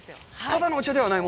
ただのお茶ではない？